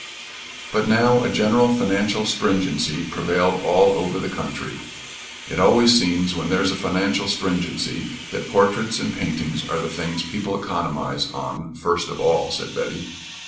But now a general financial stringency prevailed all over the country. "It always seems, when there's a 'financial stringency,' that portraits and paintings are the things people economize on first of all," said Betty.